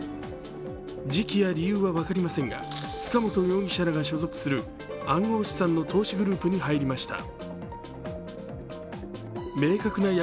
時期や理由は分かりませんが塚本容疑者らが所属する暗号資産の投資グループに入りました。